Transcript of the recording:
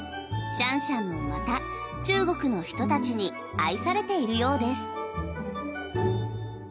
シャンシャンもまた中国の人たちに愛されているようです。